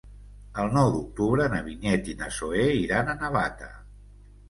El nou d'octubre na Vinyet i na Zoè iran a Navata.